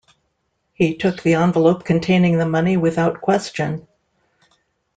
He took the envelope containing the money without question.